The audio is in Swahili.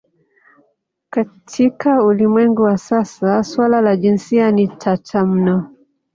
Katika ulimwengu wa sasa suala la jinsia ni tata mno.